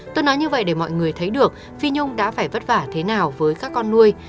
tôi nói như vậy để mọi người thấy được phi nhung đã phải vất vả thế nào với các con nuôi